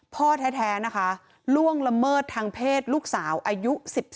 พ่อแท้นะคะล่วงละเมิดทางเพศลูกสาวอายุ๑๗